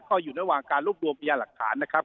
ก็อยู่ระหว่างการรวบรวมพยาหลักฐานนะครับ